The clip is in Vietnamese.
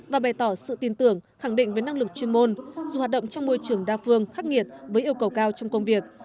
và bày tỏ sự tin tưởng khẳng định với năng lực chuyên môn dù hoạt động trong môi trường đa phương khắc nghiệt với yêu cầu cao trong công việc